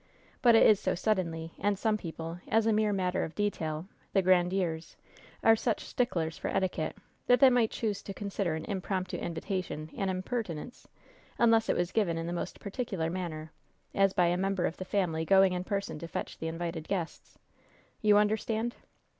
But it is so sudden, Le, and some people as a mere matter of detail, the Grandieres are such sticklers for etiquette that they might choose to consider an impromptu invitation an impertinence unless it was given in the most particular manner as by a member of the family going in person to fetch the invited guests. You understand?"